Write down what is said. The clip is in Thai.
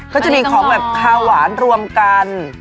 ก็จะมีของแบบคาวหวานรวมกัน